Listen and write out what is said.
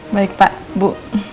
baik pak bu